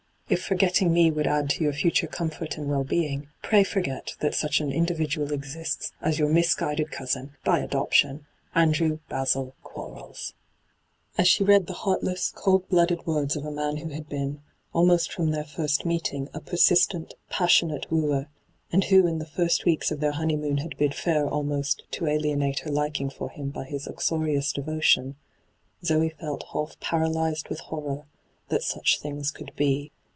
If forgetting me would add to your future comfort and well being, pray forget that such an individual exists as your misguided cousin (by adoption), ' Andrbw Basil Qcables.* As she read the heartless, cold blooded words of a man who had been, almost from t^eir first meeting, a persistent, passionate wooer, and who in the first weeks of their honeymoon had bid &ir almost to alienate her liking for him by his uxorious devotion, Zoe felt half paralyzed with horror that such things could be.